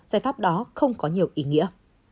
giải pháp đó không có nhiều ý nghĩa